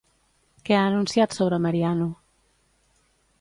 Què ha anunciat sobre Mariano?